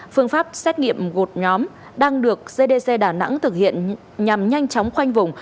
phương pháp xét nghiệm gột nhóm đang được cdc đà nẵng thực hiện nhằm nhanh chóng khoanh vùng